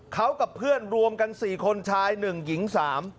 เขากับเพื่อนรวมกันสี่คนชายหนึ่งหญิงสาม